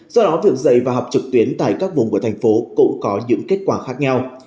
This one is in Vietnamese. do đó việc dạy và học trực tuyến tại các vùng của thành phố cũng có những kết quả khác nhau